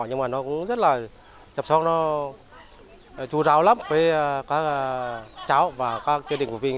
nhưng mà nó cũng rất là chăm sóc nó chú ráo lắm với các cháu và các gia đình của mình